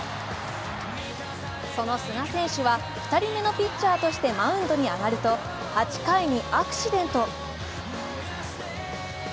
その寿賀選手は２人目のピッチャーとしてマウンドに上がると、８回にアクシデント。